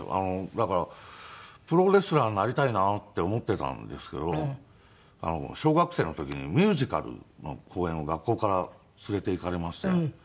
だからプロレスラーになりたいなって思っていたんですけど小学生の時にミュージカルの公演を学校から連れて行かれまして。